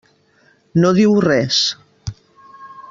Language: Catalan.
No diu res.